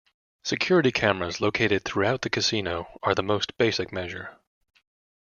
Security cameras located throughout the casino are the most basic measure.